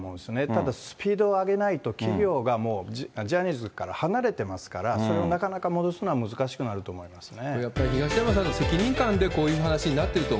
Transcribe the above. ただ、スピードを上げないと、企業がもう、ジャニーズから離れてますから、それをなかなか戻すのは難しくなると思いますね。